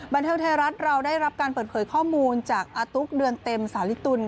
บันเทิงไทยรัฐเราได้รับการเปิดเผยข้อมูลจากอาตุ๊กเดือนเต็มสาลิตุล